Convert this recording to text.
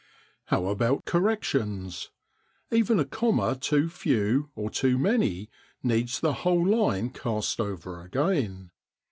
How about corrections? Even a comma too few or too many needs the whole line cast over again.